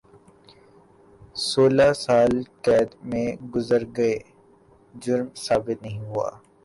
سولہ سال قید میں گزر گئے جرم ثابت نہیں ہوا